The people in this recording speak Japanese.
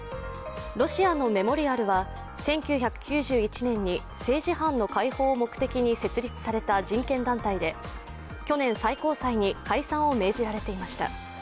ロシアのメモリアルは１９９１年に政治犯の解放を目的に設立された人権団体で去年、最高裁に解散を命じられていました。